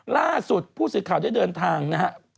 ล่าสุดผู้สื่อข่าวได้เดินทางนะครับ